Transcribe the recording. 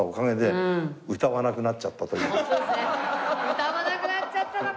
歌わなくなっちゃったのか！